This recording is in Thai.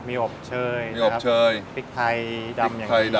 มีอบเชยนะครับ